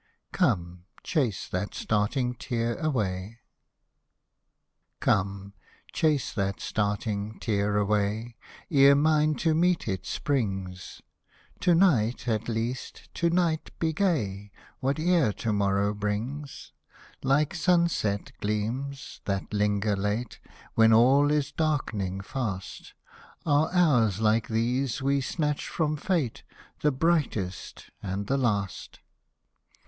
COME, CHASE THAT STARTING TEAR AWAY Come, chase that starting tear away, Ere mine to meet it springs ; To night, at least, to night be gay, Whate'er to morrow brings. Like sun set gleams, that linger late When all is darkening fast. Are hours like these we snatch from Fate — The brightest, and the last.